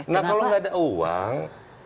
nah kalau nggak ada uang